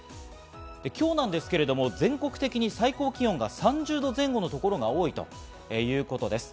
今日なんですけど、全国的に最高気温が３０度前後のところが多いということです。